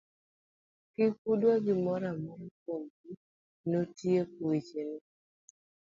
Kik udwa gimoro amora kuom gi, notieko weche ne.